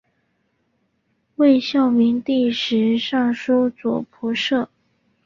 魏孝明帝时尚书左仆射。